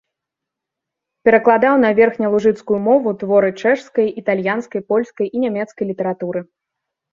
Перакладаў на верхнялужыцкую мову творы чэшскай, італьянскай, польскай і нямецкай літаратуры.